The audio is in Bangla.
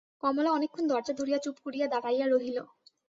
কমলা অনেকক্ষণ দরজা ধরিয়া চুপ করিয়া দাঁড়াইয়া রহিল।